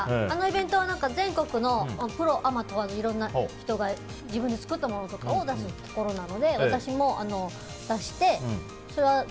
あのイベントは全国のプロアマ問わずいろんな人が自分で作ったものとかを出すところなので、私も出して。